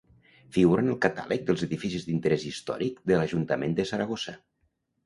Figura en el catàleg dels edificis d'interès històric de l'Ajuntament de Saragossa.